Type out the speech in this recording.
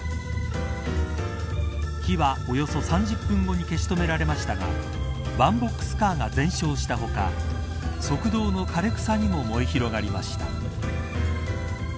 火はおよそ３０分後に消し止められましたがワンボックスカーが全焼した他側道の枯れ草にも燃え広がりました。